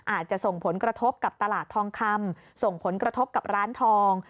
อาจจะส่งผลกระทบกับตลาดทองคำส่งผลกระทบกับร้านทอง